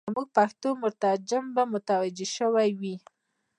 زموږ پښتو مترجم به متوجه شوی وای.